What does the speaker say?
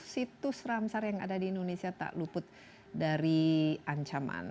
situs ramsar yang ada di indonesia tak luput dari ancaman